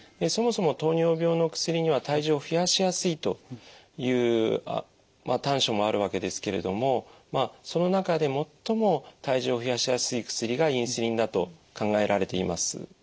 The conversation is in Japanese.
そもそも糖尿病の薬には体重を増やしやすいという短所もあるわけですけれどもまあその中で最も体重を増やしやすい薬がインスリンだと考えられています。